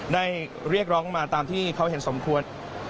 ได้เรียกร้องมาตามที่เขาเห็นสมควร